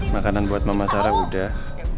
makanan buat mama sarah udah